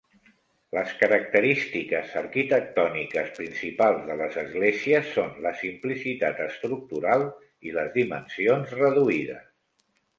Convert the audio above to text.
Les característiques arquitectòniques principals de les esglésies són la simplicitat estructural i les dimensions reduïdes.